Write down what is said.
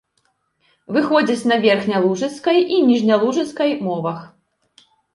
Выходзіць на верхнялужыцкай і ніжнялужыцкай мовах.